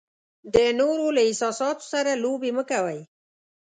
د نورو له احساساتو سره لوبې مه کوئ.